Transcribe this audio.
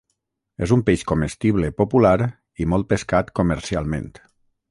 És un peix comestible popular i molt pescat comercialment.